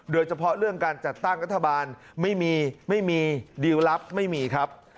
โดยเฉพาะเรื่องการจัดตั้งรัฐบาลไม่มีไม่มีดิวลลับไม่มีครับ